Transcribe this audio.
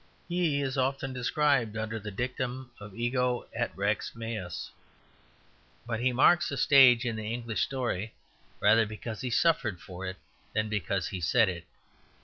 He is often described under the dictum of Ego et Rex Meus; but he marks a stage in the English story rather because he suffered for it than because he said it.